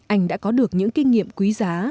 anh đã có được những kinh nghiệm quý giá